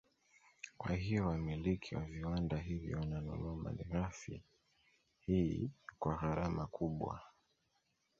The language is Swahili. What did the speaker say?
Kwa hiyo wamiliki wa viwanda hivyo wananunua Malighafi hii kwa gharama kubwa